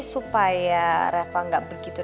supaya reva gak begitu